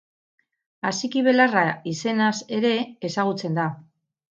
Asiki-belarra izenaz ere ezagutzen da.